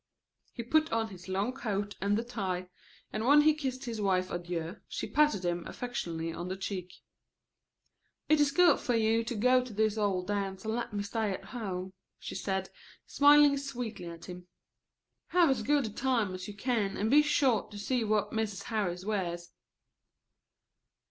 He put on his long coat and the tie, and when he kissed his wife adieu she patted him affectionately on the cheek. "It is good of you to go to this old dance and let me stay at home," she said, smiling sweetly at him. "Have as good a time as you can and be sure to see what Mrs. Harris wears."